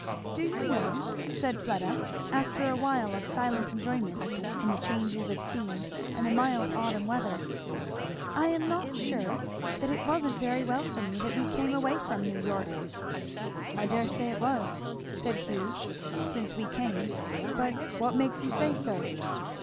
"Do you know," said Fleda, after a while of silent enjoyment in the changes of scene and the mild autumn weather, "I am not sure that it wasn't very well for me that we came away from New York." "I dare say it was," said Hugh, "since we came; but what makes you say so?"